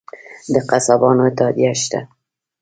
د قصابانو اتحادیه شته؟